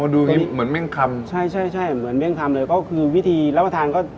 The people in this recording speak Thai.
ดูเหมือนเมี่ยงคำใช่ใช่ใช่เหมือนเมี่ยงคำเลยก็คือวิธีแล้วมาทานก็